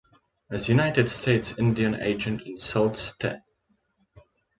As United States Indian agent in Sault Ste.